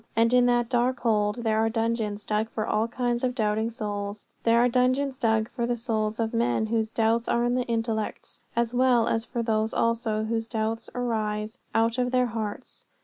And in that dark hold there are dungeons dug for all kinds of doubting souls. There are dungeons dug for the souls of men whose doubts are in their intellects, as well as for those also whose doubts arise out of their hearts.